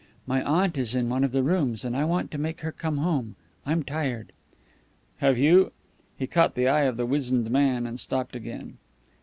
My aunt is in one of the rooms, and I want to make her come home. I'm tired." "Have you ?" He caught the eye of the wizened man, and stopped again.